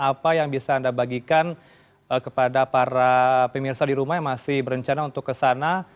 apa yang bisa anda bagikan kepada para pemirsa di rumah yang masih berencana untuk ke sana